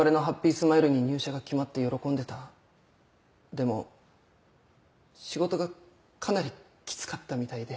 でも仕事がかなりキツかったみたいで。